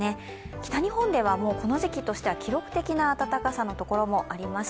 北日本ではこの時期としては記録的な暖かさの所もありました。